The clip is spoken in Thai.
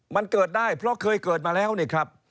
มันเกิดได้เพราะเคยเกิดมาแล้วนี่ครับ